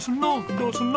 どうすんの？